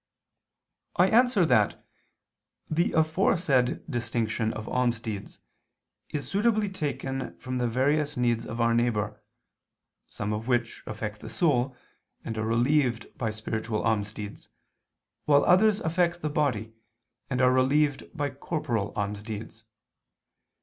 I answer that, The aforesaid distinction of almsdeeds is suitably taken from the various needs of our neighbor: some of which affect the soul, and are relieved by spiritual almsdeeds, while others affect the body, and are relieved by corporal almsdeeds.